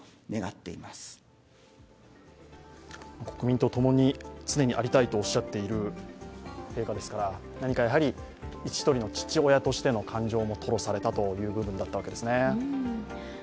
国民と共に常にありたいとおっしゃっている陛下ですから１人の父親としての感情も吐露されたという部分だったわけですね。